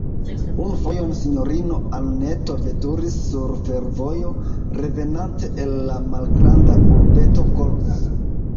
Unu fojon sinjorino Anneto veturis sur fervojo, revenante el la malgranda urbeto Kolz.